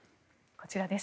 こちらです。